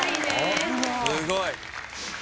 すごい。